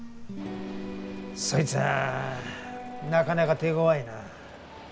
そいつぁなかなか手ごわいな。